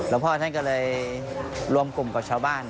แล้วพ่อท่านก็เลยรวมกลุ่มกับชาวบ้าน